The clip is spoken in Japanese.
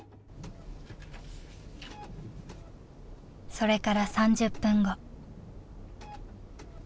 それから３０分後。